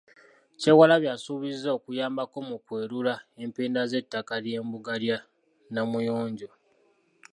Kyewalabye asuubizza okuyambako mu kwerula empenda z'ettaka ly'embuga ya Namuyonjo.